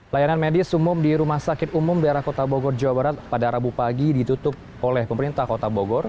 layanan medis umum di rumah sakit umum daerah kota bogor jawa barat pada rabu pagi ditutup oleh pemerintah kota bogor